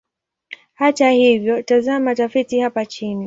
Hata hivyo, tazama tafiti hapa chini.